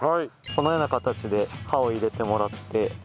このような形で刃を入れてもらって。